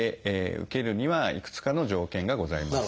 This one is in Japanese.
受けるにはいくつかの条件がございます。